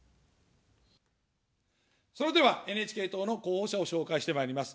それではＮＨＫ党の候補者を紹介してまいります。